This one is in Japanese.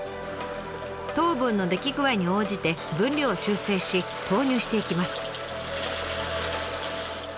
糖分の出来具合に応じて分量を修正し投入していきます。